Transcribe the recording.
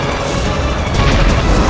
aku akan menangkapmu